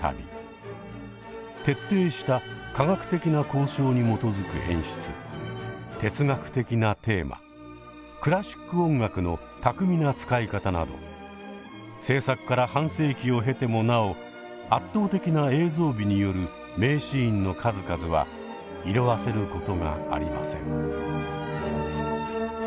徹底した科学的な考証に基づく演出哲学的なテーマクラシック音楽の巧みな使い方など製作から半世紀を経てもなお圧倒的な映像美による名シーンの数々は色あせることがありません。